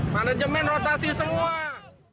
manajemen rotasi semua